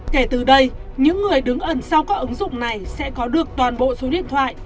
kể từ đây những người đứng ẩn sau các ứng dụng này sẽ có được toàn bộ số điện thoại